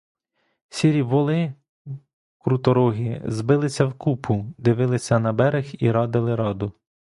Сірі воли круторогі збилися в купу, дивилися на берег і радили раду.